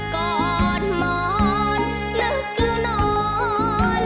ก้อนหม่อนึกแล้วนอน